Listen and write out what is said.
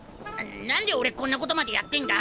何で俺こんなことまでやってんだ？